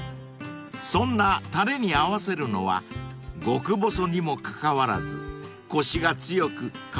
［そんなタレに合わせるのは極細にもかかわらずコシが強く香りのよい中華麺］